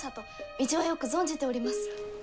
道はよく存じております！